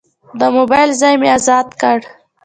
د موبایل ځای مې ازاد کړ.